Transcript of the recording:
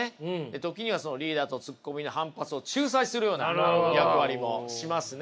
時にはリーダーとツッコミの反発を仲裁するような役割もしますね。